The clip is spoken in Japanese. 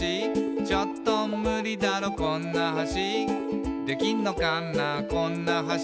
「ちょっとムリだろこんな橋」「できんのかなこんな橋」